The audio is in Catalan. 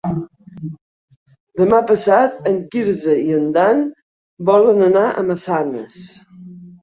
Demà passat en Quirze i en Dan volen anar a Massanes.